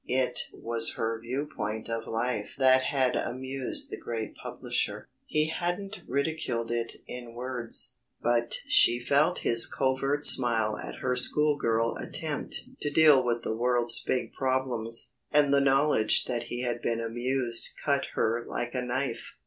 It was her view point of life that had amused the great publisher. He hadn't ridiculed it in words, but she felt his covert smile at her schoolgirl attempt to deal with the world's big problems, and the knowledge that he had been amused cut her like a knife.